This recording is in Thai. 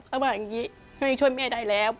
เขาบอกว่าอย่างนี้ไม่ได้ช่วยแม่ใดแล้ว